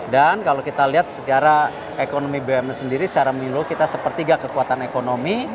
dan kalau kita lihat secara ekonomi bumn sendiri secara milu kita sepertiga kekuatan ekonomi